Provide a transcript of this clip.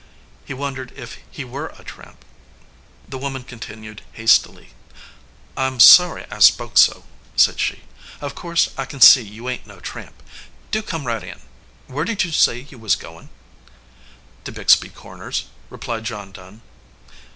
He wondered if he were a tramp. The woman continued hastily. "I m sorry I spoke so," said she. "Of course I kin see you ain t no tramp. Do come right in. Where did you say you was goin ?" "To Bixby Corners," replied John Dunn.